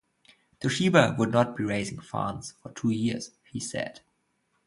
Toshiba would not be raising funds for two years, he said.